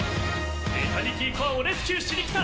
エタニティコアをレスキューしにきた！